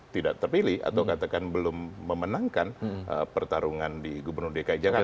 tidak terpilih atau katakan belum memenangkan pertarungan di gubernur dki jakarta